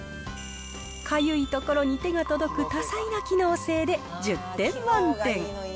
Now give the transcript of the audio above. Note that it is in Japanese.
かゆいところに手が届く多彩な機能性で、１０点満点。